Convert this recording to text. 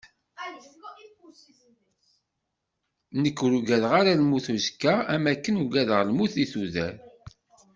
Nekk ur uggadeɣ ara lmut n uẓekka am wakken uggadeɣ lmut di tudert.